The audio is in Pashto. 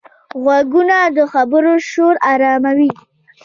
غوږونه د خبرو شور آراموي